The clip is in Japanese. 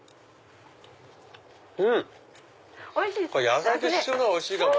野菜と一緒の方がおいしいかも。